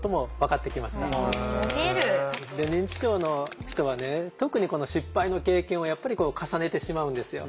認知症の人はね特に失敗の経験をやっぱり重ねてしまうんですよ。